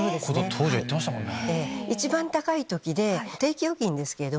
当時は言ってましたもんね。